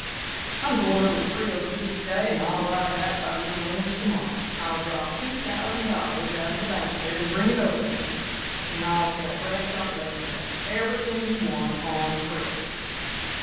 "I'm going over to Frio City to day, and I'll ride back by your ranch to morrow. I'll draw $2,000 out of the bank there and bring it over to you; and I'll tell Bradshaw to let you have everything you want on credit.